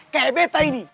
kayak beta ini